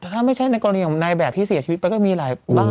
ถ้าไม่ใช่ในกรณีของนายแบบที่เสียชีวิตไปก็มีหลายบ้าง